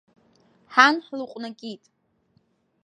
Ҳан ҳлыҟәнакит.